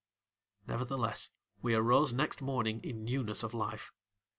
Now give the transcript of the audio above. Nevertheless, we arose next morning in newness of life.